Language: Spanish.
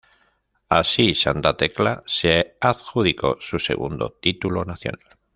Así Santa Tecla se adjudicó su segundo título nacional.